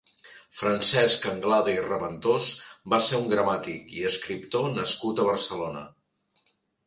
Francesc Anglada i Reventós va ser un gramàtic i escriptor nascut a Barcelona.